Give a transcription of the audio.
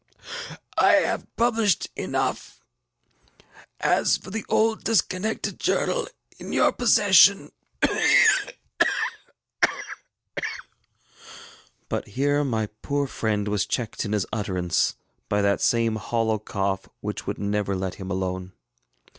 I have published enough; as for the old disconnected journal in your possession ŌĆØ But here my poor friend was checked in his utterance by that same hollow cough which would never let him alone.